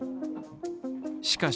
しかし